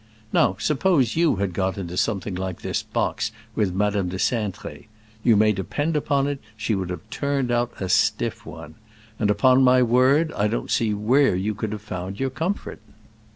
Now suppose you had got into something like this box with Madame de Cintré. You may depend upon it she would have turned out a stiff one. And upon my word I don't see where you could have found your comfort.